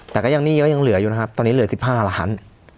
แต่ก็ยังหนี้ก็ยังเหลืออยู่นะครับตอนนี้เหลือ๑๕ล้าน